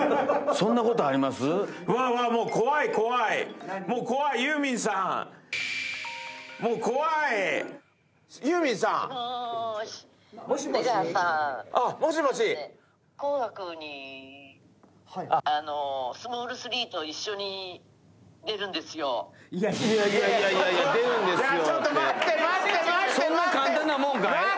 そんな簡単なもんかい？